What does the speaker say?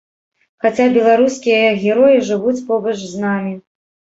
Хаця беларускія героі жывуць побач з намі.